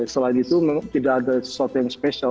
selain itu tidak ada sesuatu yang spesial